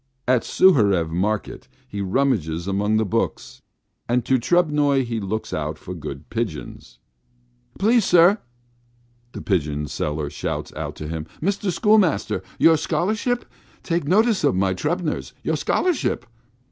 At Suharev market he rummages among the books, and at Trubnoy looks out for good pigeons. "Please, sir!" the pigeon sellers shout to him, "Mr. Schoolmaster, your Scholarship, take notice of my tumblers! your Scholarship!" "Your Scholarship!"